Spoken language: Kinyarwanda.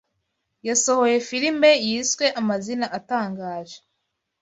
yasohoye filime yiswe amazina atangaje